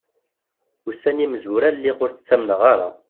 Ussan imezwura lliɣ ur t-ttamneɣ ara.